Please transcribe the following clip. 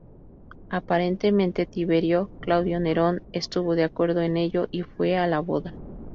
Aparentemente, Tiberio Claudio Nerón estuvo de acuerdo en ello y fue a la boda.